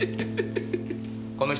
この人